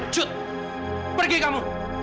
cut pergi kamu